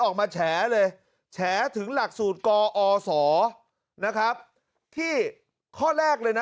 ออกมาแฉเลยแฉถึงหลักสูตรกอศนะครับที่ข้อแรกเลยนะ